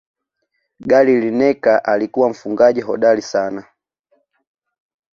gary lineker alikuwa mfungaji hodari sana